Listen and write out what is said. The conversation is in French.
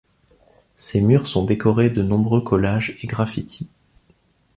Ses murs sont décorés de nombreux collages et graffitis.